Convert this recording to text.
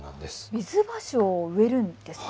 ミズバショウを植えるんですか。